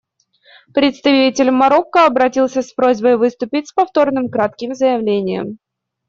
Представитель Марокко обратился с просьбой выступить с повторным кратким заявлением.